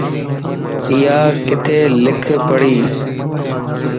ايا خطي لک ٻيھڻي